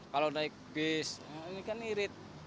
kalau naik bis ini kan irit